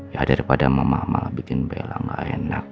ya daripada mama malah bikin bela gak enak